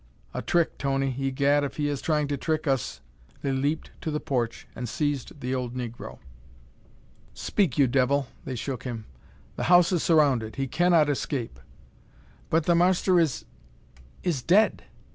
"A trick, Tony! Egad, if he is trying to trick us " They leaped to the porch and seized the old negro. "Speak, you devil!" They shook him. "The house is surrounded. He cannot escape!" "But the marster is is dead!